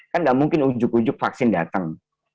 kan nggak mungkin ujuk ujuk vaksin datang